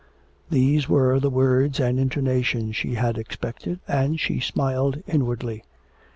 These were the words and intonation she had expected, and she smiled inwardly.